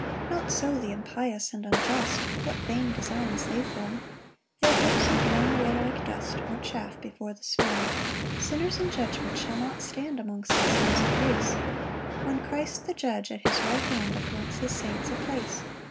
5 Not so the impious and unjust; What vain designs they form! Their hopes are blown away like dust, Or chaff before the storm. 6 Sinners in judgment shall not stand Amongst the sons of grace, When Christ the Judge, at his right hand, Appoints his saints a place.